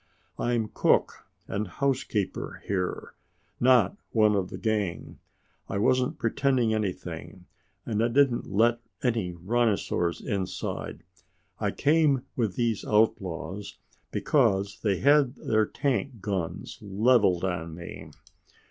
"I'm cook and housekeeper here, not one of the gang. I wasn't pretending anything, and I didn't let any rhinosaurs inside. I came with these outlaws because they had their tank guns leveled on me."